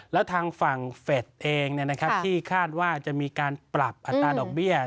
แล้วทางฝั่งเฟสเองที่คาดว่าจะมีการปรับอัตราดอกเบี้ย